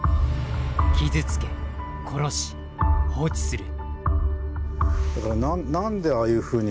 傷つけ殺し放置する。